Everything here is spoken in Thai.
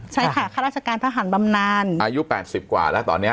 ใช่ค่ะข้าราชการทหารบำนานอายุ๘๐กว่าแล้วตอนนี้